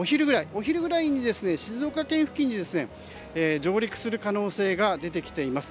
お昼ぐらいに静岡県付近に上陸する可能性が出てきています。